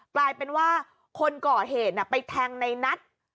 กลายเป็นว่าคนก่อเหตุไปแทงในนัท